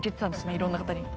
いろんな方に。